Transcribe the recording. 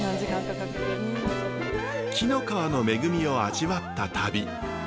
紀の川の恵みを味わった旅。